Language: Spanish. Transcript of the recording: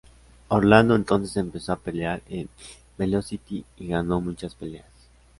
Orlando entonces empezó a pelear en "Velocity" y ganó muchas peleas.